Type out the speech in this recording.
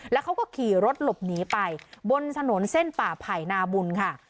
แล้วเขาก็ขี่รถหลบหนีไปบนถนนเส้นป่าไผ่นาบุญค่ะ